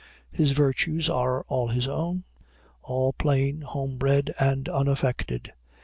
His virtues are all his own; all plain, homebred, and unaffected.